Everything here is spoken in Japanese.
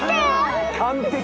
完璧。